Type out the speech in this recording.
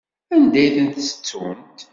Anda i tent-ttunt?